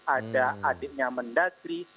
ada adiknya mendagri